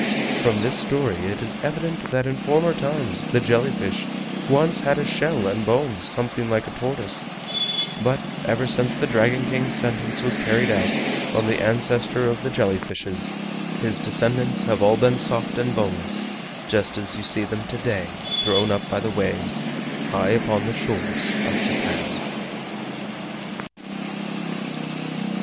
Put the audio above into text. From this story it is evident that in former times the jelly fish once had a shell and bones something like a tortoise, but, ever since the Dragon King's sentence was carried out on the ancestor of the jelly fishes, his descendants have all been soft and boneless just as you see them to day thrown up by the waves high upon the shores of Japan.